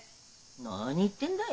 何言ってんだい！